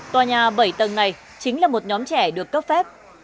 tòa nhà bảy tầng này chính là một nhóm trẻ được cấp phép